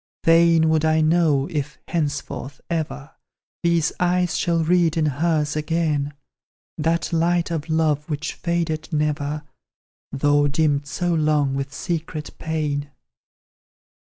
Fain would I know if, henceforth, ever, These eyes shall read in hers again, That light of love which faded never, Though dimmed so long with secret pain.